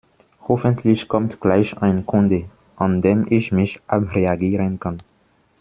Hoffentlich kommt gleich ein Kunde, an dem ich mich abreagieren kann!